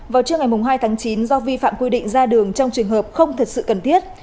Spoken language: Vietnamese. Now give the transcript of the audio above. vào trưa ngày hai tháng chín do vi phạm quy định ra đường trong trường hợp không thật sự cần thiết